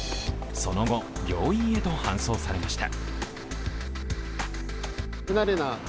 その後病院へと搬送されました。